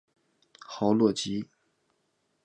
豪洛吉。